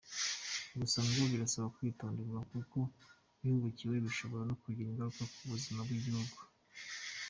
Gusa ngo birasaba kwitonderwa kuko bihubukiwe bishobora kugira ingaruka ku buzima bw’igihugu.